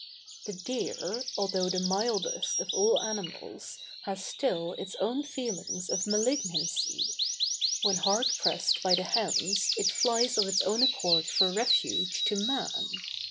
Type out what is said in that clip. The deer, although the mildest of all animals, has still its own feelings of malignancy; when hard pressed by the hounds it flies of its own accord for refuge to man.